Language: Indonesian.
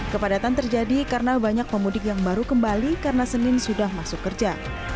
kepadatan terjadi karena banyak pemudik yang baru kembali karena senin sudah masuk kerja